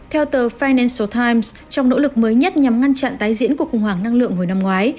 theo tờ financeal time trong nỗ lực mới nhất nhằm ngăn chặn tái diễn cuộc khủng hoảng năng lượng hồi năm ngoái